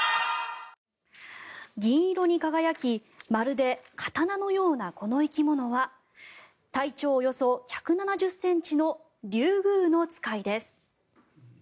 銀色に輝きまるで刀のようなこの生き物は体長およそ１７０ｃｍのリュウグウノツカイです。